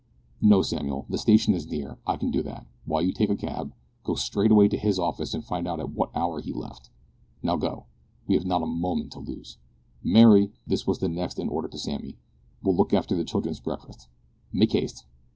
"No, Samuel, the station is near. I can do that, while you take a cab, go straight away to his office and find out at what hour he left. Now, go; we have not a moment to lose. Mary," (this was the next in order to Sammy), "will look after the children's breakfast. Make haste!"